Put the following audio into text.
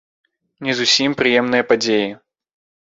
Не зусім прыемныя падзеі.